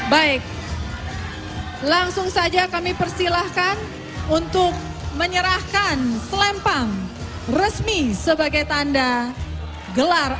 dua ribu dua puluh dua baik langsung saja kami persilahkan untuk menyerahkan selempang resmi sebagai tanda gelar